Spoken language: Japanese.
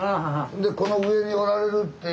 でこの上におられるって。